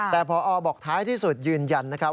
แต่พอบอกท้ายที่สุดยืนยันนะครับ